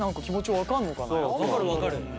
分かる分かる。